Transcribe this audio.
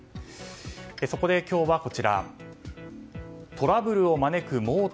そこで今日はトラブルを招く盲点